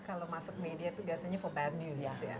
kalau masuk media itu biasanya for bad news ya